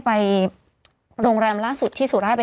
จากที่ตอนแรกอยู่ที่๑๐กว่าศพแล้ว